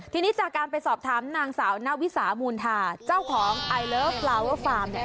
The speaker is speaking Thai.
ทีนี้จากการไปสอบถามนางสาวนาวิสามูลธาเจ้าของไอเลิฟลาเวอร์ฟาร์มเนี่ย